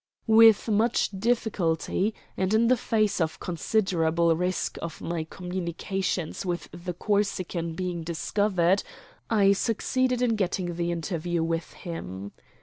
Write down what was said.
With much difficulty, and in the face of considerable risk of my communications with the Corsican being discovered, I succeeded in getting the interview with him.